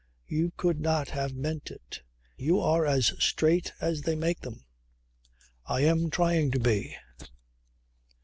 "You could not have meant it. You are as straight as they make them." "I am trying to be."